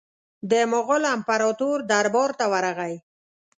د مغول امپراطور دربار ته ورغی.